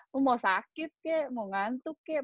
aku mau sakit kek mau ngantuk kek